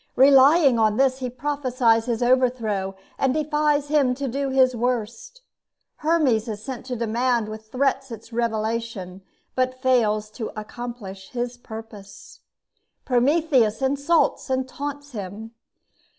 Relying on this, he prophesies his overthrow, and defies him to do his worst. Hermes is sent to demand with threats its revelation, but fails to accomplish his purpose. Prometheus insults and taunts him.